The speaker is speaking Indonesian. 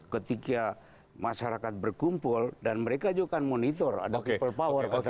ketika masyarakat berkumpul dan mereka juga kan monitor ada people power